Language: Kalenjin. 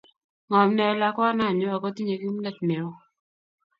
Ng'om nea lakwananyu akotinye kimnot ne oo